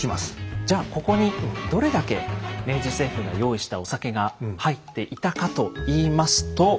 じゃあここにどれだけ明治政府が用意したお酒が入っていたかといいますと。